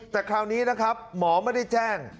แต่คราวนี้นะครับหมอไม่ได้แจ้ง